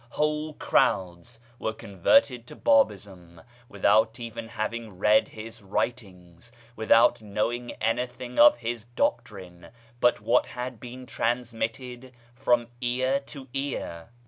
Whole crowds were con verted to Babism without even having read his writings, without knowing any thing of his doctrine but what had been transmitted from ear to ear.